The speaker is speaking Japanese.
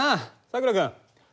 さくら君。